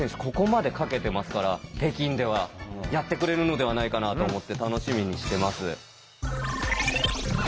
ここまでかけてますから北京ではやってくれるのではないかなと思って楽しみにしてます。